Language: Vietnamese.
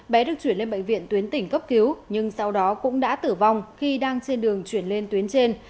bé được chuyển lên bệnh viện tuyến tỉnh cấp cứu nhưng sau đó cũng đã tử vong khi đang trên đường chuyển lên tuyến trên